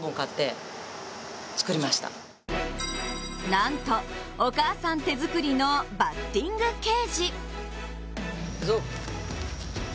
なんと、お母さん手作りのバッティングケージ。